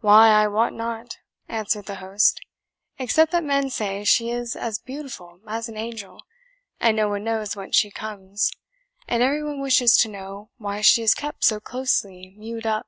"Why, I wot not," answered the host, "except that men say she is as beautiful as an angel, and no one knows whence she comes, and every one wishes to know why she is kept so closely mewed up.